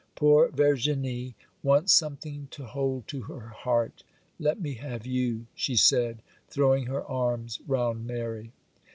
Poor Verginie wants something to hold to her heart; let me have you,' she said, throwing her arms round Mary.